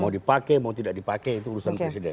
mau dipakai mau tidak dipakai itu urusan presiden